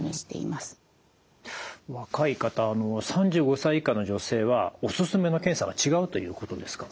若い方３５歳以下の女性はお勧めの検査が違うということですか。